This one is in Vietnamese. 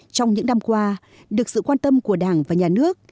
trong những năm qua được sự quan tâm của đảng và nhà nước